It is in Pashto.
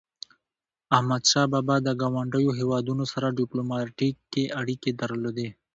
احمدشاه بابا د ګاونډیو هیوادونو سره ډیپلوماټيکي اړيکي درلودی.